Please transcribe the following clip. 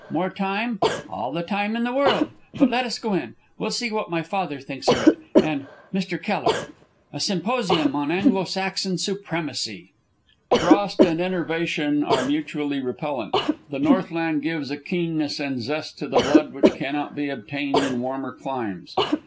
More time? All the time in the world. But let us go in. We'll see what my father thinks of it, and Mr. Kellar. A symposium on Anglo Saxon supremacy!" Frost and enervation are mutually repellant. The Northland gives a keenness and zest to the blood which cannot be obtained in warmer climes.